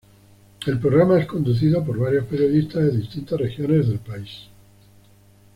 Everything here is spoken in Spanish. El programa es conducido por varios periodistas de distintas regiones del país.